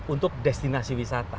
untuk destinasi wisata